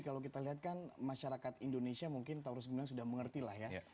kalau kita lihat kan masyarakat indonesia mungkin taurus gumilang sudah mengerti lah ya